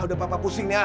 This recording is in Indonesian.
udah papa pusing nih ah